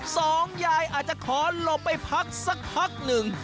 สองยายอาจจะขอหลบไปพักสักพักหนึ่ง